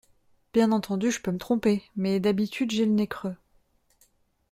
Bien entendu je peux me tromper, mais d’habitude j’ai le nez creux…